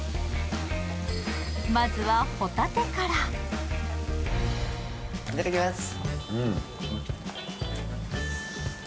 まずはホタテからいただきます